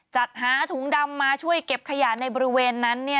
จัดหาถุงดำมาช่วยเก็บขยะในบริเวณนั้น